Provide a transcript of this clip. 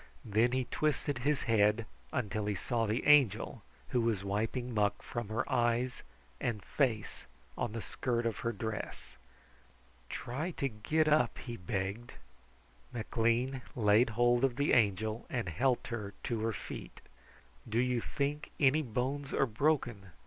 Then he twisted his head until he saw the Angel, who was wiping muck from her eyes and face on the skirt of her dress. "Try to get up," he begged. McLean laid hold of the Angel and helped her to her feet. "Do you think any bones are broken?"